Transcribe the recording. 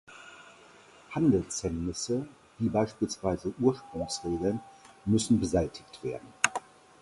Handelshemmnisse wie beispielsweise Ursprungsregeln müssen beseitigt werden.